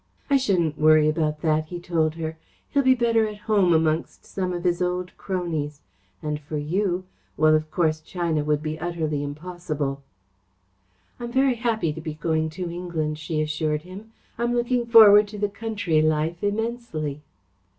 "I shouldn't worry about that," he told her. "He'll be better at home amongst some of his old cronies, and for you well, of course, China would be utterly impossible." "I am very happy to be going to England," she assured him. "I am looking forward to the country life immensely."